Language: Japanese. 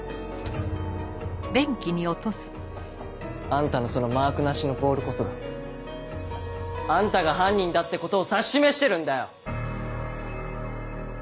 あんたのそのマークなしのボールこそがあんたが犯人だってことを指し示してるんだよ！